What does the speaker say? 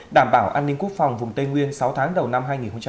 đảm bảo an ninh quốc phòng vùng tây nguyên sáu tháng đầu năm hai nghìn một mươi sáu